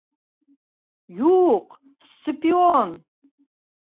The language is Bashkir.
Юҡ, Сципион!